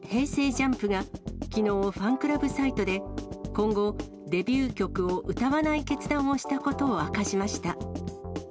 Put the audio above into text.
ＪＵＭＰが、きのう、ファンクラブサイトで、今後、デビュー曲を歌わない決断をしたことを明かしました。